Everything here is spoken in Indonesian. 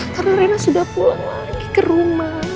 karena rena sudah pulang lagi ke rumah